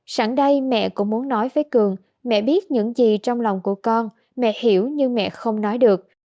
sẵn đây mẹ cũng muốn nói với cường mẹ biết những gì trong lòng của con mẹ hiểu nhưng mẹ không nói được